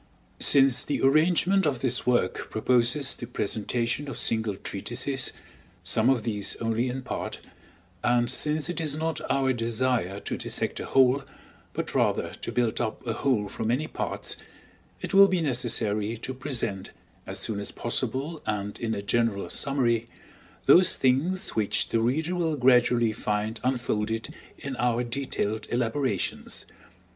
Since the arrangement of this work proposes the presentation of single treatises, some of these only in part, and since it is not our desire to dissect a whole, but rather to build up a whole from many parts, it will be necessary to present, as soon as possible and in a general summary, those thing's which the reader will gradually find unfolded in our detailed elaborations.